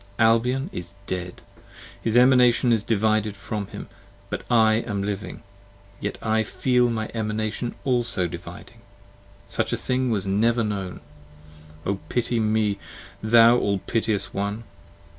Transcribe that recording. Albion is dead! his Emanation is divided from him! But I am living! yet I feel my Emanation also dividing. Such thing was never known! O pity me, thou all piteous one!